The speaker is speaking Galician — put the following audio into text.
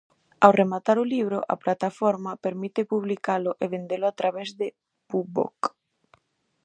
Ao rematar o libro, a plataforma permite publicalo e vendelo a través de Bubok.